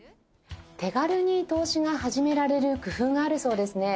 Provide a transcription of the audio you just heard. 手軽に投資が始められる工夫があるそうですね。